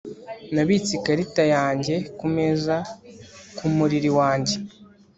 Nabitse ikarita yanjye kumeza kumuriri wanjye